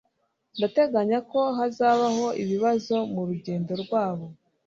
Ndateganya ko hazabaho ibibazo murugendo rwabo.